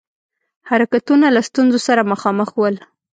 حرکتونه له ستونزو سره مخامخ ول.